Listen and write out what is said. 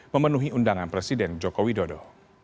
memenuhi undangan presiden joko widodo